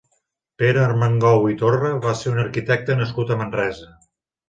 Pere Armengou i Torra va ser un arquitecte nascut a Manresa.